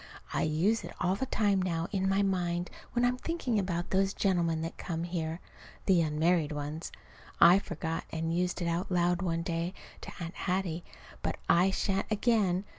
I use it all the time now in my mind when I'm thinking about those gentlemen that come here (the unmarried ones). I forgot and used it out loud one day to Aunt Hattie; but I shan't again.